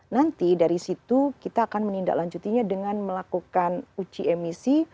nanti dari situ kita akan menindaklanjutinya dengan melakukan uji emisi